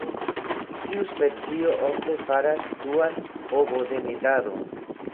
Tiu specio ofte faras duan ovodemetadon.